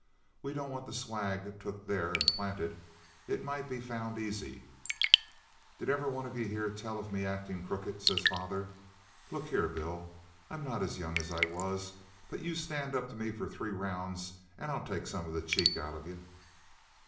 We don't want the swag took there and planted. It mightn't be found easy.' 'Did ever a one of ye heer tell o' me actin' crooked?' says father. 'Look here, Bill, I'm not as young as I was, but you stand up to me for three rounds and I'll take some of the cheek out of yer.'